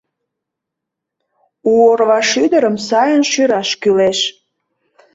У орвашӱдырым сайын шӱраш кӱлеш.